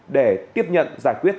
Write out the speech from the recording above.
để tiếp nhận giải quyết